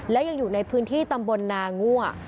และยังอยู่ในพื้นที่ตำบลนางั่ว